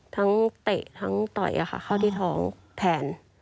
เตะทั้งต่อยเข้าที่ท้องแทน